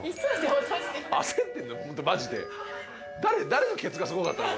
誰のケツがすごかったの？